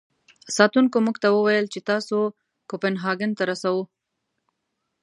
ساتونکو موږ ته و ویل چې تاسو کوپنهاګن ته رسوو.